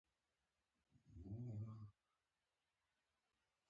سلطنتي کورنۍ مجلل او شانداره ژوند درلود.